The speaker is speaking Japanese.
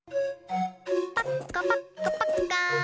パッカパッカパッカ。